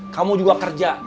kamu juga kerja